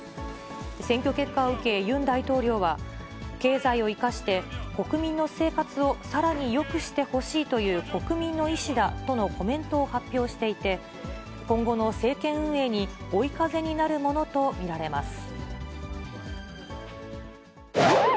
選挙結果を受け、ユン大統領は、経済を生かして国民の生活をさらによくしてほしいという国民の意思だとのコメントを発表していて、今後の政権運営に、追い風になるものと見られます。